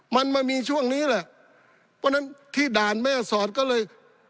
มันมามีช่วงนี้แหละเพราะฉะนั้นที่ด่านแม่สอดก็เลย